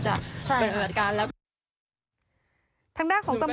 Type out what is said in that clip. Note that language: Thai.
จะเป็นแบบนั้นกัน